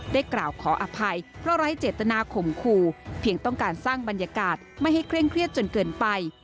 ได้กล่าวขออภัยเพราะไร้เจตนาข่มขู่เพียงต้องการสร้างบรรยากาศไม่ให้เคร่งเครียดจนเกินไป